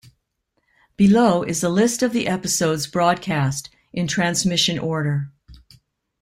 Below is a list of the episodes broadcast, in transmission order.